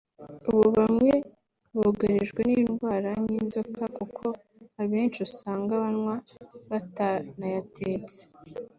ubu bamwe bugarijwe n’indwara nk’inzoka kuko abenshi usanga banywa batanayatetse”